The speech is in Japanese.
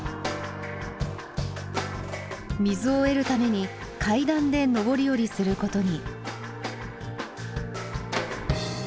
水を得るために階段で上り下りすることに。